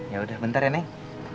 yaudah bentar ya neng